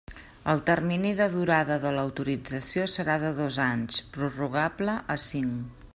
El termini de durada de l'autorització serà de dos anys, prorrogable a cinc.